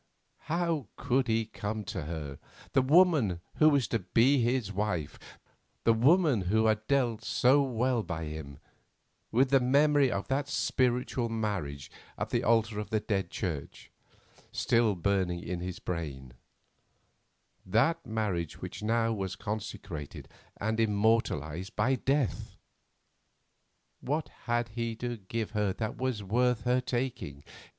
How could he come to her, the woman who was to be his wife, the woman who had dealt so well by him, with the memory of that spiritual marriage at the altar of the Dead Church still burning in his brain—that marriage which now was consecrated and immortalised by death? What had he to give her that was worth her taking?